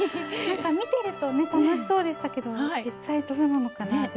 見てるとね楽しそうでしたけど実際どうなのかな。